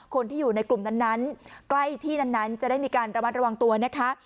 คนที่อยู่ในกลุ่มนั้นใกล้ที่นั้นจะได้มีการระมัดระวังตัวนะคะ